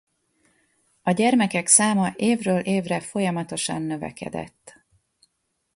A gyermekek száma évről évre folyamatosan növekedett.